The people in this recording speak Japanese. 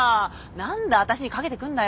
何で私にかけてくんだよ！？